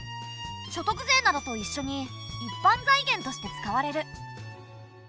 所得税などといっしょに一般財源として使われる。